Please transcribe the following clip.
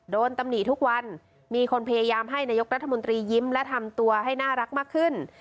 ตำหนิทุกวันมีคนพยายามให้นายกรัฐมนตรียิ้มและทำตัวให้น่ารักมากขึ้น